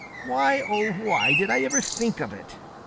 Why, oh, why did I ever think of it?"